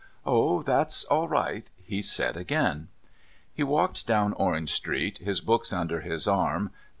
"Oh, that's all right," he said again. He walked down Orange Street, his books under his arm, the 3s.